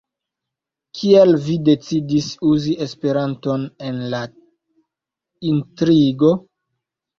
Kial vi decidis uzi Esperanton en la intrigo?